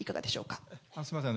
すみません。